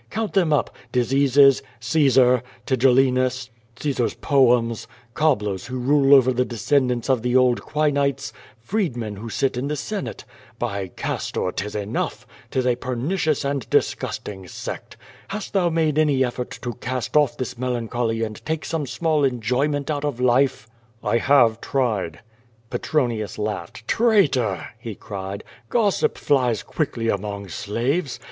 Count them uj): diseases, Caesar, Tigellinus, Caesar's poems, cobblers who rule over the descendants of the old Quinitfs, freedmcn who sit in the Senate. Hy Castor, 'tis enough! *Tis a ptTuieious and disgusting sect. Hast thou made any efTort to i:ist off this melancholy and take some small enjoyment out ol lile?" 232 Q^O VADI8. "I have tried/' Petronius laughed. "Traitor!" he cried. "Gossip flies quickly among slaves.